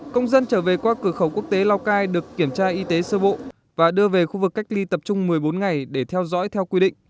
công dân trở về qua cửa khẩu quốc tế lao cai được kiểm tra y tế sơ bộ và đưa về khu vực cách ly tập trung một mươi bốn ngày để theo dõi theo quy định